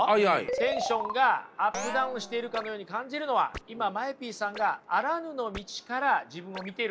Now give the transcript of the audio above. テンションがアップダウンしているかのように感じるのは今ＭＡＥＰさんがあらぬの道から自分を見ているからなんですよ。